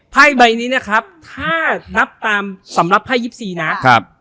พ่ายใบนี้ถ้านับตามสำหรับพ่าย๒๔นะ